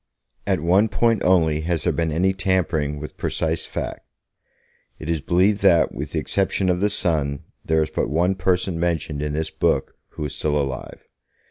At one point only has there been any tampering with precise fact. It is believed that, with the exception of the Son, there is but one person mentioned in this book who is still alive.